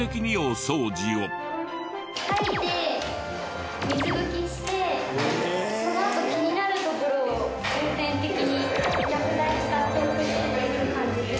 掃いて水拭きしてそのあと気になるところを重点的に薬剤を使って落とすという感じです。